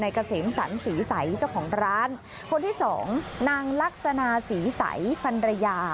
เกษมสรรศรีใสเจ้าของร้านคนที่สองนางลักษณะศรีใสพันรยา